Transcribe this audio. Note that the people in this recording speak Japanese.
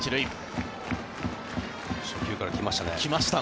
初球から来ましたね。